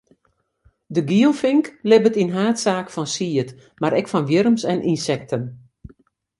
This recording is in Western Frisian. De gielfink libbet yn haadsaak fan sied, mar ek fan wjirms en ynsekten.